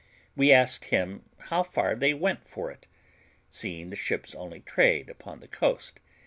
We asked him how far they went for it, seeing the ships only trade upon the coast.